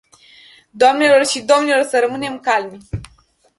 Doamnelor și domnilor, să rămânem calmi.